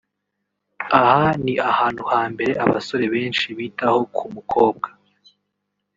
aha ni ahantu ha mbere abasore benshi bitaho ku mukobwa